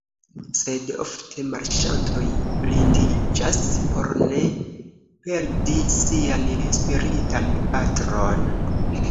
Sed ofte marŝantoj blindiĝas por ne perdi sian spiritan patron.